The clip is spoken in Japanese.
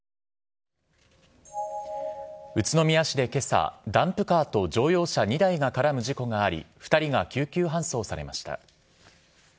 宇都宮市でけさ、ダンプカーと乗用車２台が絡む事故があり、２人が救急搬送されました。